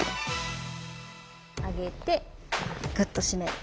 上げてグッと締める。